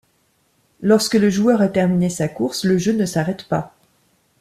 Lorsque le joueur a terminé sa course, le jeu ne s'arrête pas.